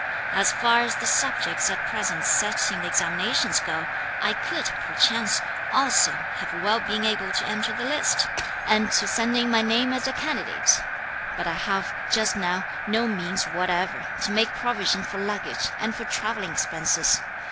As far as the subjects at present set in the examinations go, I could, perchance, also have well been able to enter the list, and to send in my name as a candidate; but I have, just now, no means whatever to make provision for luggage and for travelling expenses.